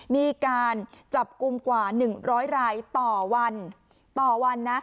มีการจับกลุ่มกว่า๑๐๐รายต่อวัน